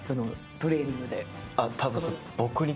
トレーニングで。